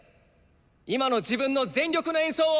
今の自分の全力の演奏を。